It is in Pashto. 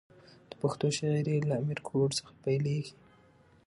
د پښتو شاعري له امیر ګروړ څخه پیلېږي.